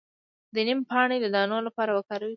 د نیم پاڼې د دانو لپاره وکاروئ